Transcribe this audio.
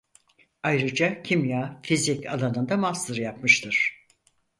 Ayrıca kimya-fizik alanında master yapmıştır.